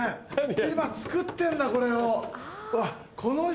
今作ってんだこれを。